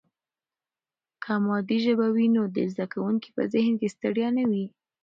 که مادي ژبه وي نو د زده کوونکي په ذهن کې ستړیا نه وي.